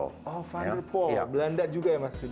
oh van der pol belanda juga ya mas